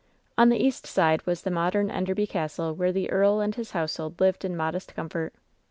On the east side was the modem Enderby Castle, where the earl and his household lived in modest comfort.